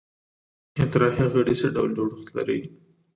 اطراحیه غړي څه ډول جوړښت لري؟